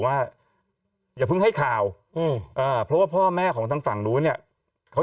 ว่าอย่าเพิ่งให้ข่าวอืมอ่าเพราะว่าพ่อแม่ของทางฝั่งนู้นเนี่ยเขา